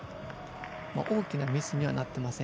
大きなミスにはなってません。